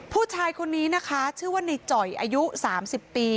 ผู้ชายคนนี้นะคะชื่อว่าในจ่อยอายุ๓๐ปี